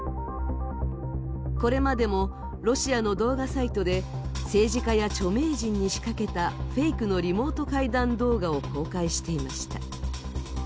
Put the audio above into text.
これまでもロシアの動画サイトで政治家や著名人に仕掛けたフェイクのリモート会談動画を公開していました。